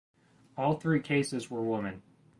All three cases were women.